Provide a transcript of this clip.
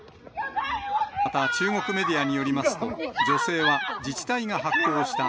また中国メディアによりますと、女性は自治体が発行した、